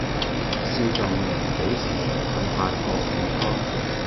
少壯能几時，鬢發各已蒼。